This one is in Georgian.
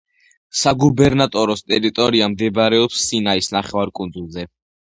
საგუბერნატოროს ტერიტორია მდებარეობს სინაის ნახევარკუნძულზე.